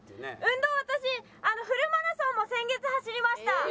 運動私フルマラソンも先月走りました。